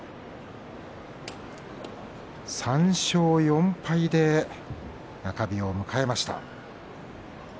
３勝４敗で中日を迎えました。